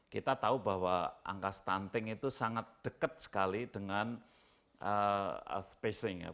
kita tahu bahwa angka stunting itu sangat dekat sekali dengan spacing ya